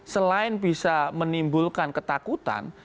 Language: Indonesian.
selain bisa menimbulkan ketakutan